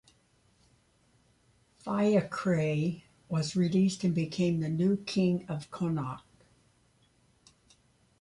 Fiachrae was released and became the new king of Connacht.